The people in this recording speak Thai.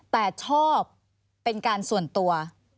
แต่ชอบเป็นการส่วนตัว